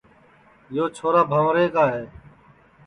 یو چھورا بھنٚورے کا ہے